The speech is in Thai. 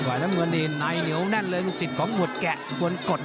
ไข่แน่นหนัยเนียวแน่่นเลยรุกสิทธิ์ของหมวดแกะเมืองกฎ